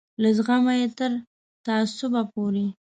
له زغمه یې تر تعصبه پورې.